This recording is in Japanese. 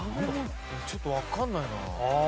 ちょっとわかんないな。